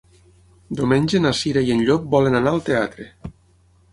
Diumenge na Cira i en Llop volen anar al teatre.